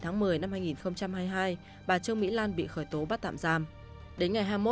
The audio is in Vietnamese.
ngày bảy một mươi hai nghìn hai mươi hai bà trương mỹ lan bị khởi tố bắt tạm giam